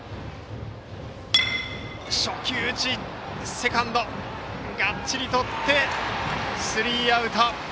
セカンドががっちりとってスリーアウト。